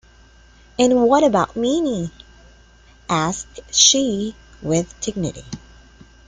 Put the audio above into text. “And what about Minnie?” asked she, with dignity.